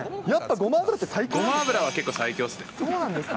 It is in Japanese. ごま油は結構最強っすね。